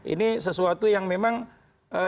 ini sesuatu yang memang ee